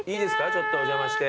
ちょっとお邪魔して。